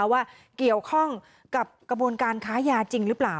ว่าเกี่ยวข้องกับกระบวนการค้ายาจริงหรือเปล่า